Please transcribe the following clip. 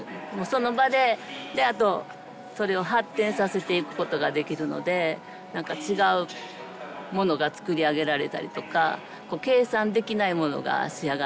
その場でそれを発展させていくことができるので何か違うものが作り上げられたりとか計算できないものが仕上がったりします。